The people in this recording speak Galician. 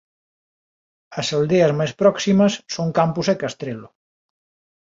As aldeas máis próximas son Campos e Castrelo.